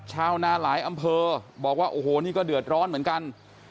ชาวนาหลายอำเภอบอกว่าโอ้โหนี่ก็เดือดร้อนเหมือนกัน